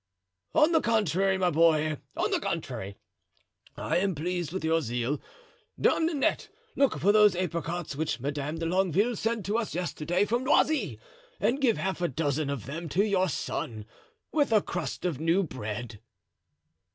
"On the contrary, my boy, on the contrary, I am pleased with your zeal. Dame Nanette, look for those apricots which Madame de Longueville sent to us yesterday from Noisy and give half a dozen of them to your son, with a crust of new bread."